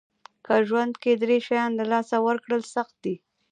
که ژوند کې درې شیان له لاسه ورکړل سخت دي.